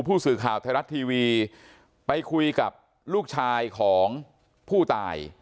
ผู้สื่อข่าวไทยรัฐทีวีไปคุยกับลูกชายของผู้ตาย